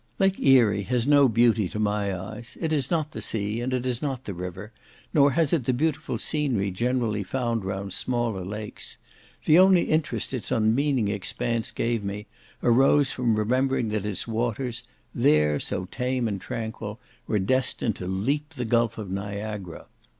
Lake Erie has no beauty to my eyes; it is not the sea, and it is not the river, nor has it the beautiful scenery generally found round smaller lakes. The only interest its unmeaning expanse gave me, arose from remembering that its waters, there so tame and tranquil, were destined to leap the gulf of Niagara.